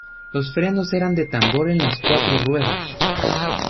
Los frenos eran de tambor en las cuatro ruedas.